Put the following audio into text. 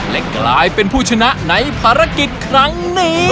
และกลายเป็นผู้ชนะในภารกิจครั้งนี้